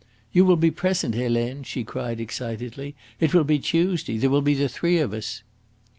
"You will be present, Helene," she cried excitedly. "It will be Tuesday. There will be the three of us."